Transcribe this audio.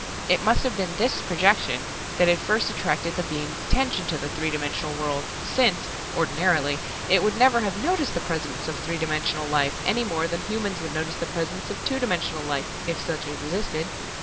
It must have been this projection that had first attracted the Being's attention to the three dimensional world, since, ordinarily, It would never have noticed the presence of three dimensional life, any more than humans would notice the presence of two dimensional life if such existed!